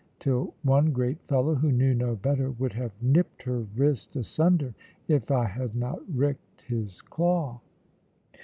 till one great fellow, who knew no better, would have nipped her wrist asunder if I had not ricked his claw.